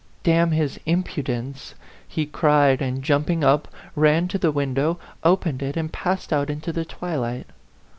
D n his impudence!" he cried, and, jump ing up, ran to the window, opened it, and passed out into the twilight.